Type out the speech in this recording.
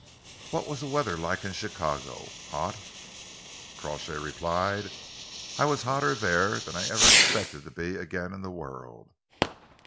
What was the weather like in Chicago?" "Hot," Crawshay replied. "I was hotter there than I ever expect to be again in this world."